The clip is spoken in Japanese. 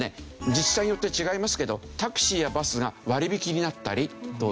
実際によって違いますけどタクシーやバスが割引になったりと。